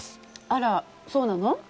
あらそうなの？